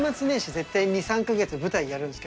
絶対２３か月舞台やるんです。